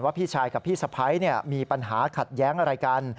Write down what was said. พี่ชายกับพี่สะพ้ายมีปัญหาขัดแย้งอะไรกัน